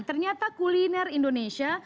ternyata kuliner indonesia